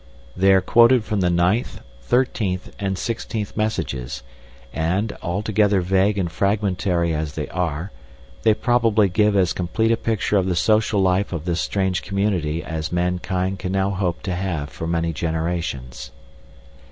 They are quoted from the ninth, thirteenth, and sixteenth messages, and, altogether vague and fragmentary as they are, they probably give as complete a picture of the social life of this strange community as mankind can now hope to have for many generations.